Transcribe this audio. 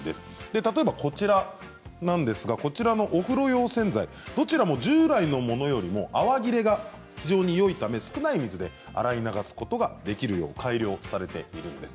例えば、お風呂用洗剤どちらも従来のものよりも泡切れが非常にいいため少ない水で洗い流すことができるよう改良されているんです。